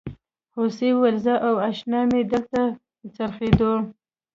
هوسۍ وویل زه او اشنا مې دلته څریدو.